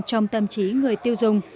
trong tâm trí người tiêu dùng